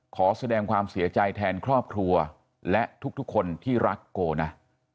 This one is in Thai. ขอแสดงความเสียใจแทนครอบครัวและทุกคนที่รักโกนะ